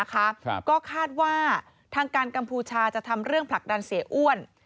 ก็คาดว่าทางการกัมพูชาจะทำเรื่องผลักดันเสียอ้วน